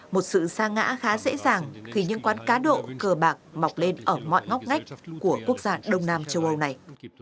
một sự xa ngã khá dễ dàng khi những quán cá độ cờ bạc mọc lên ở mọi ngóc ngách của quốc gia đông nam châu âu này